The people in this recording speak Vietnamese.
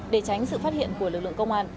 để tránh sự phát hiện của lực lượng công an